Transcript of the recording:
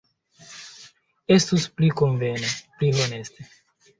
Estus pli konvene, pli honeste.